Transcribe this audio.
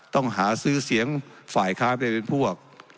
ต้องหาซื้อเสียงฝ่ายค้าไปเป็นพวก